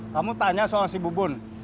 kamu tanya soal si bubun